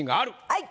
はい！